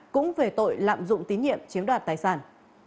cũng về tội lạm dụng tín nhiệm chiếm đoạt tài sản